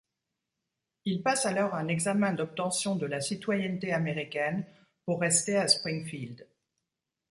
Il passe alors un examen d'obtention de la citoyenneté américaine pour rester à Springfield.